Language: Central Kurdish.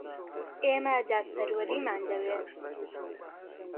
ئێمە دادپەروەریمان دەوێت.